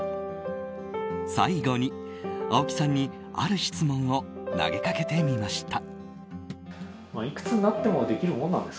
最後に、青木さんにある質問を投げかけてみました。